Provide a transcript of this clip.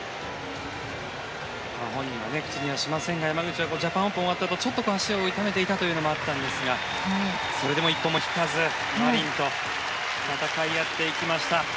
本人は口にはしませんが山口はジャパンオープンが終わったあと足を痛めていたということがあったんですがそれでも一歩も引かずマリンと戦い合っていきました。